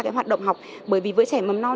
cái hoạt động học bởi vì với trẻ mầm non